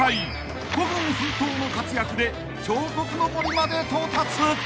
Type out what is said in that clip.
［孤軍奮闘の活躍で彫刻の森まで到達］